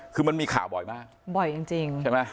คือมันมีข่าวบ่อยมากบ่อยจริงใช่ไหม